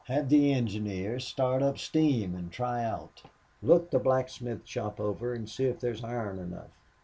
Have the engineer start up steam and try out.... Look the blacksmith shop over to see if there's iron enough.